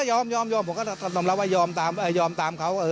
ผมก็เออยอมผมก็ทำแล้วว่ายอมตามเขา